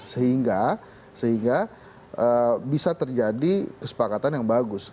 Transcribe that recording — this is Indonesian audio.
sehingga bisa terjadi kesepakatan yang bagus